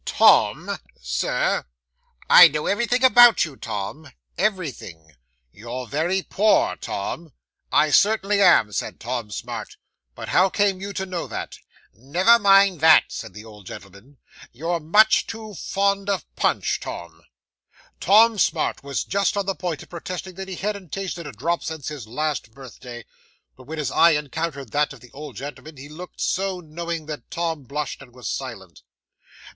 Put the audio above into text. Tom " '"Sir " '"I know everything about you, Tom; everything. You're very poor, Tom." '"I certainly am," said Tom Smart. "But how came you to know that?" '"Never mind that," said the old gentleman; "you're much too fond of punch, Tom." 'Tom Smart was just on the point of protesting that he hadn't tasted a drop since his last birthday, but when his eye encountered that of the old gentleman he looked so knowing that Tom blushed, and was silent.